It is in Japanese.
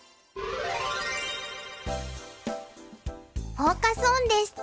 フォーカス・オンです。